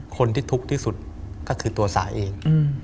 คนที่ทุกข์ที่สุดก็คือตัวสาเอง